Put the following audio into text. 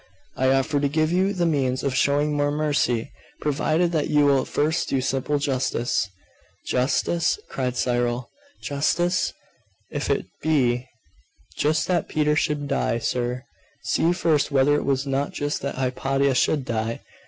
'I offer to give you the means of showing more mercy, provided that you will first do simple justice.' 'Justice?' cried Cyril. 'Justice? If it be just that Peter should die, sir, see first whether it was not just that Hypatia should die.